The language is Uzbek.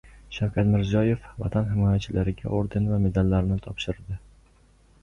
Shavkat Mirziyoyev Vatan himoyachilariga orden va medallarni topshirdi